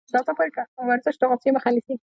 ورزش د غوسې مخه نیسي.